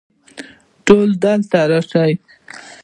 ټول دلته راشئ